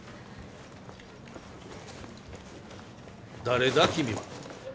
誰だ君は？